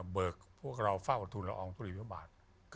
เบิกพวกเราเฝ้าทุนรอองทุนบิวบาท